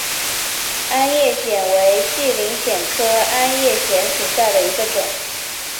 鞍叶藓为细鳞藓科鞍叶藓属下的一个种。